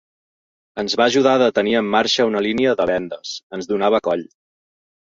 Ens va ajudar de tenir en marxa una línia de vendes, ens donava coll.